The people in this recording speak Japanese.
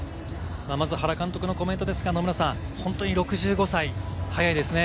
原監督のコメントですが、野村さん、本当に６５歳、早いですね。